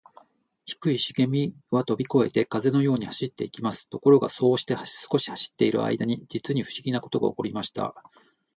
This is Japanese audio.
低いしげみはとびこえて、風のように走っていきます。ところが、そうして少し走っているあいだに、じつにふしぎなことがおこりました。